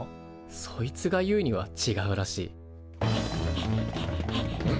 そいつが言うにはちがうらしい。